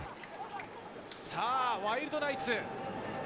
さあ、ワイルドナイツ。